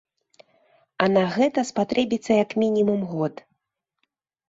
А на гэта спатрэбіцца як мінімум год.